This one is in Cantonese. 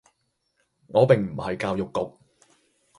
我並唔係教育局